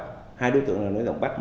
hai đối tượng là nói giọng bắc